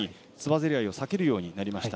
ぜり合いを避けるようになりました。